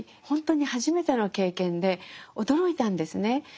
ほんとに初めての経験で驚いたんですね。